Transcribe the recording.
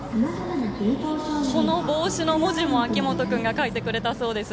この帽子の文字も秋元君が書いてくれたそうです。